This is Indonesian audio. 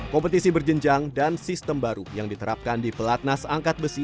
kompetisi berjenjang dan sistem baru yang diterapkan di pelatnas angkat besi